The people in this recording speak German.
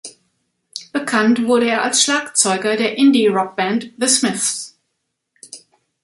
Bekannt wurde er als Schlagzeuger der Indie-Rockband The Smiths.